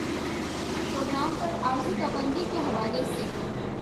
programme پر عارضی پابندی کے حوالے سے